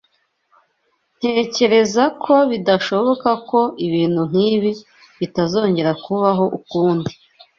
Ntekereza ko bidashoboka ko ibintu nkibi bitazongera kubaho ukundi.